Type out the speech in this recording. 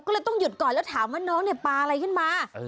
ก็เลยต้องหยุดก่อนแล้วถามว่าน้องเนี่ยปลาอะไรขึ้นมา